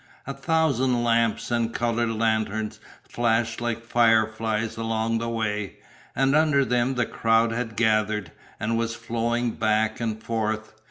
A thousand lamps and coloured lanterns flashed like fireflies along the way, and under them the crowd had gathered, and was flowing back and forth.